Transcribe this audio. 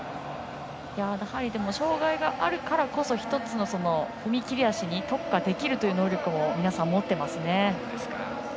障がいがあるからこそ１つの踏み切り足に特化できる能力も皆さん持っていますね。